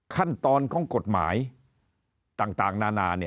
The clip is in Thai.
ขั้นตอนของกฎหมายต่างนานา